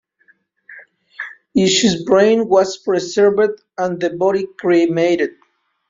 Ishi's brain was preserved and the body cremated.